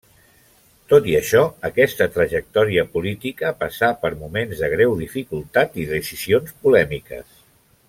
Tot i això, aquesta trajectòria política passà per moments de greu dificultat i decisions polèmiques.